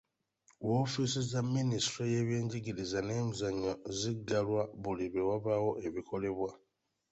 Woofiisi za Minisitule y'ebyenjigiriza n'emizannyo ziggalwa buli lwe wabaawo ebikolebwa.